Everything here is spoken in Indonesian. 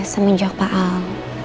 semenjak pak al